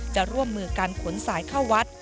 จะร่วมมือการขนสายเข้าวัด